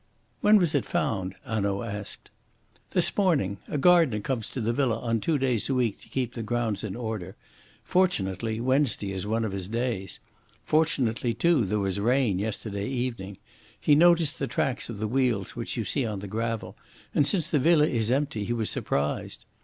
"When was it found?" Hanaud asked. "This morning. A gardener comes to the villa on two days a week to keep the grounds in order. Fortunately Wednesday is one of his days. Fortunately, too, there was rain yesterday evening. He noticed the tracks of the wheels which you can see on the gravel, and since the villa is empty he was surprised.